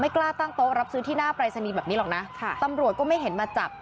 กล้าตั้งโต๊ะรับซื้อที่หน้าปรายศนีย์แบบนี้หรอกนะค่ะตำรวจก็ไม่เห็นมาจับ